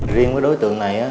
riêng với đối tượng này